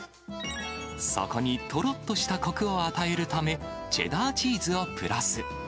そこにとろっとしたこくを与えるため、チェダーチーズをプラス。